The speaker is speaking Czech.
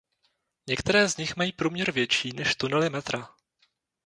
Některé z nich mají průměr větší než tunely metra.